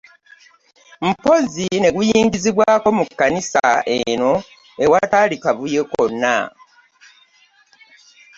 Mpozzi ne guyingizibwa mu kkanisa eno awatali kavuyo konna.